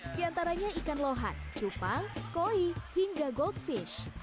diantaranya ikan lohan cupang koi hingga goldfish